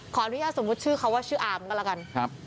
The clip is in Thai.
ขออนุญาตสมมุติชื่อเขาว่าชื่ออาร์มก็แล้วกันครับ